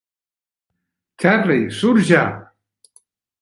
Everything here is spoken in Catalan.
Charley, surt ja!